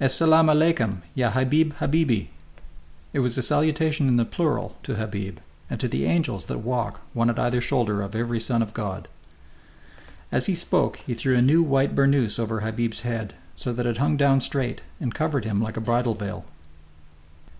"Es selam alekoum, ya Habib habiby!" It was the salutation in the plural to Habib, and to the angels that walk, one at either shoulder of every son of God. And as he spoke he threw a new white burnoose over Habib's head, so that it hung down straight and covered him like a bridal veil.